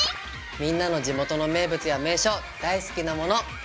みんなの地元の名物や名所大好きなもの。